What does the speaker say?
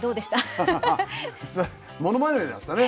アハハものまねだったね。